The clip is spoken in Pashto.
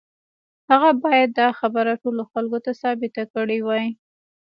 هغه بايد دا خبره ټولو خلکو ته ثابته کړې وای.